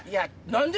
何で？